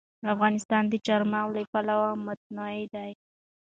افغانستان د چار مغز له پلوه متنوع دی.